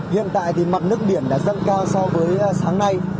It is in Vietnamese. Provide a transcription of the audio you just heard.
hiện tại thì mặt nước biển đã dâng cao so với sáng nay